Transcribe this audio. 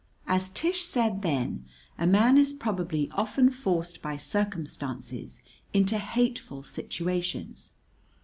[As Tish said then, a man is probably often forced by circumstances into hateful situations.